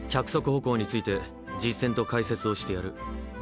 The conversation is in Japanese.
歩行について実践と解説をしてやる。